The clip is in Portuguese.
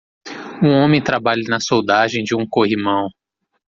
Um homem trabalha na soldagem de um corrimão.